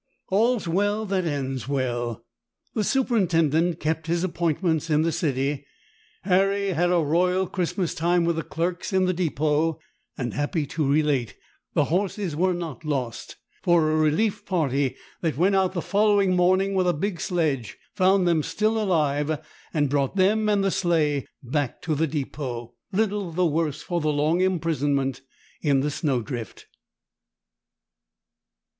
All's well that ends well. The superintendent kept his appointments in the city; Harry had a royal Christmas time with the clerks in the depot; and, happy to relate, the horses were not lost, for a relief party that went out the following morning with a big sledge found them still alive, and brought them and the sleigh back to the depot, little the worse for the long imprisonment in the snow drift.